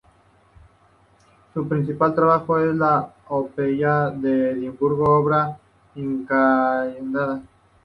Su principal trabajo es la "Epopeya de Epidauro", obra inacabada.